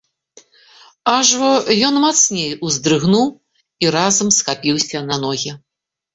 Аж во, ён мацней уздрыгнуў і разам схапіўся на ногі.